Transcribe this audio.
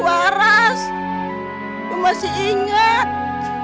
waras masih inget